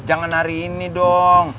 jangan hari ini dong